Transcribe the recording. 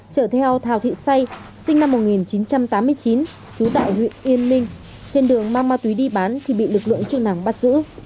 trở theo thào thị say sinh năm một nghìn chín trăm tám mươi chín chú tại huyện yên minh trên đường mang ma túy đi bán thì bị lực lượng trụ nàng bắt giữ